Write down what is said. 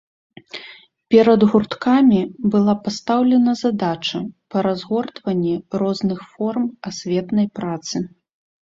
Перад гурткамі была пастаўлена задача па разгортванні розных форм асветнай працы.